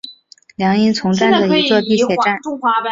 凉荫丛站的一座地铁站。